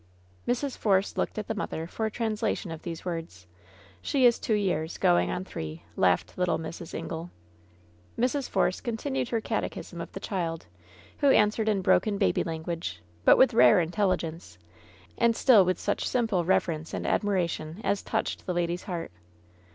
Mrs. Force looked at the mother for a translation of these words. "She is two years, going on three," laughed little Mrs. Ingle. Mrs. Force continued her catechism of the child, who answered in broken baby language, but with rare intelli gence, and still with such simple reverence and admira tion as touched the lady's heart.